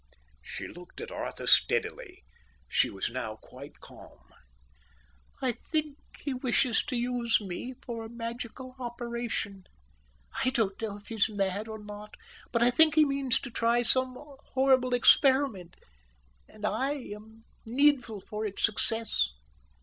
She looked at Arthur steadily. She was now quite calm. "I think he wishes to use me for a magical operation. I don't know if he's mad or not. But I think he means to try some horrible experiment, and I am needful for its success.